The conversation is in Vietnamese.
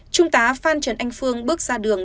trung tá phan trần anh phương bước ra đường